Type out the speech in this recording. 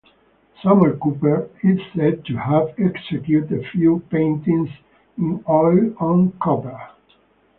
Samuel Cooper is said to have executed a few paintings in oil on copper.